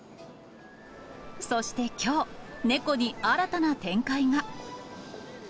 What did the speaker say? そしてきょう、猫に新たな展開が。